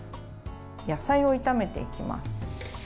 野菜を炒めていきます。